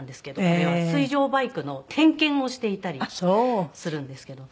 これは水上バイクの点検をしていたりするんですけど。